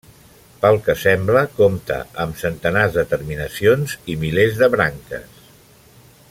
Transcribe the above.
Pel que sembla compta amb centenars de terminacions i milers de branques.